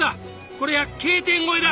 これはＫ点越えだ！